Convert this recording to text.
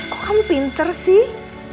kok kamu pinter sih